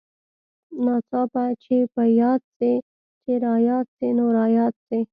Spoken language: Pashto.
ناڅاپه چې په ياد سې چې راياد سې نو راياد سې.